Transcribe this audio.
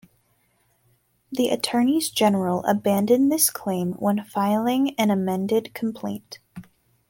The Attorneys General abandoned this claim when filing an amended complaint.